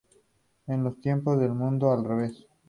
En los tiempos del mundo al revés